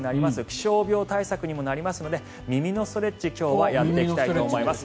気象病対策にもなりますので耳のストレッチを今日はやっていきたいと思います